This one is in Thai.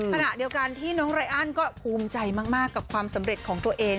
ขณะเดียวกันที่น้องไรอันก็ภูมิใจมากกับความสำเร็จของตัวเอง